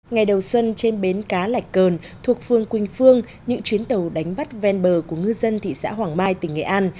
ngày đầu xuân trên bến cá lạch cờn thuộc phương quỳnh phương những chuyến tàu đánh bắt ven bờ của ngư dân thị xã hoàng mai tỉnh nghệ an